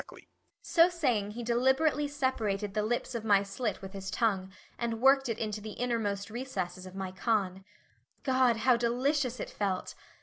So saying he deliberately separated the lips of my slit with his tongue, and worked it into the innermost recesses of my con. God, how delicious it felt!